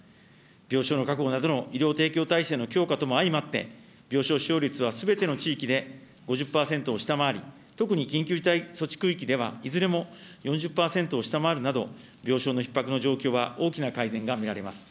病床の確保などの医療提供体制の強化とも相まって、病床使用率はすべての地域で５０％を下回り、特に緊急事態措置区域では、いずれも４０％を下回るなど、病床のひっ迫の状況は大きな改善が見られます。